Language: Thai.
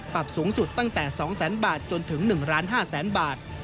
ปรับสูงสุดตั้งแต่๒๐๐๐บาทจนถึง๑๕๐๐๐๐บาท